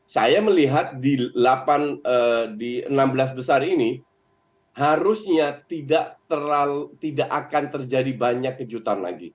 saya melihat di enam belas besar ini harusnya tidak akan terjadi banyak kejutan lagi